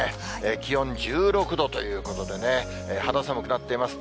気温１６度ということで、肌寒くなっています。